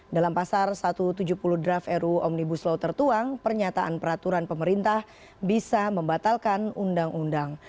dalam pasal satu ratus tujuh puluh draft ruu omnibus law tertuang pernyataan peraturan pemerintah bisa membatalkan undang undang